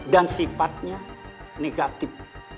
dan sifatnya negatif